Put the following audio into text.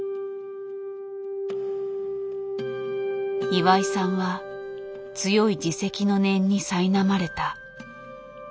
岩井さんは強い自責の念にさいなまれた。